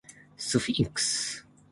スフィンクス